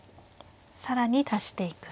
更に足していく。